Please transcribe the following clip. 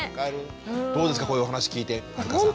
どうですかこういうお話聞いて春香さん。